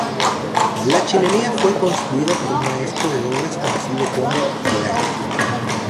La chimenea fue construida por un maestro de obras conocido como "El Ángel".